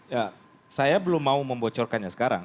ya saya belum mau membocorkannya sekarang